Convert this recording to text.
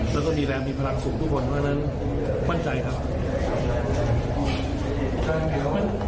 แล้วก็มีแรงมีพลังสูงทุกคนเพราะฉะนั้นมั่นใจครับ